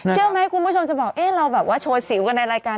เชื่อไหมคุณผู้ชมจะบอกเราแบบว่าโชว์สิ้วกันในรายการ